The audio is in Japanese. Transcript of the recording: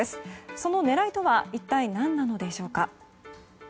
その狙いとは一体、何なのでしょうか。